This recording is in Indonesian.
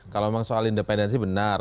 kalau memang soal independensi benar